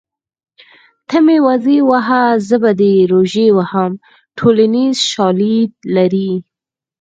ته مې وزې وهه زه به دې روژې وهم ټولنیز شالید لري